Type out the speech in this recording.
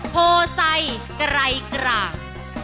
โพไซไกรกลาง